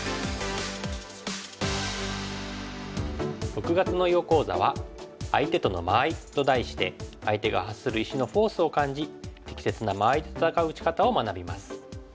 ６月の囲碁講座は「相手との間合い」と題して相手が発する石のフォースを感じ適切な間合いと戦う打ち方を学びます。